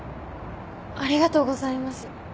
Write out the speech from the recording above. ありがとうございます。